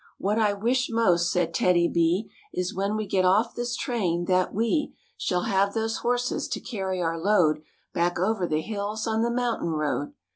Igfflk "What I wish most," said TEDDY B, " Is when we get off this train that Shall have those horses to carry our load Back over the hills on the mountain road."